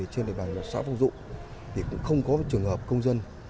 trên địa bàn xã phong dụng không có trường hợp công dân